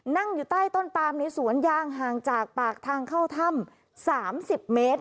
นั่งอยู่ใต้ต้นปามในสวนยางห่างจากปากทางเข้าถ้ำ๓๐เมตร